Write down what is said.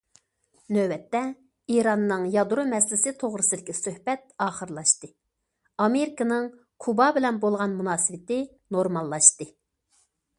نۆۋەتتە، ئىراننىڭ يادرو مەسىلىسى توغرىسىدىكى سۆھبەت ئاخىرلاشتى، ئامېرىكىنىڭ كۇبا بىلەن بولغان مۇناسىۋىتى نورماللاشتى.